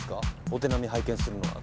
お手並み拝見するのは。